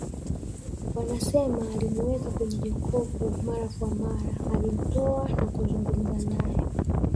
Wanasema alimuweka kwenye jokofu mara kwa mara alimtoa na kuzungumza naye